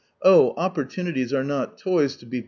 Oh opportunities are not toys to be Tr.